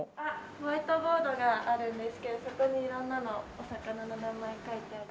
ホワイトボードがあるんですけどそこに色んなのお魚の名前書いてあります。